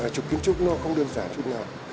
chụp kiến trúc nó không đơn giản chụp nào